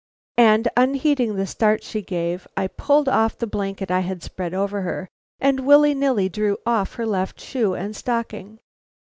And unheeding the start she gave, I pulled off the blanket I had spread over her, and willy nilly drew off her left shoe and stocking.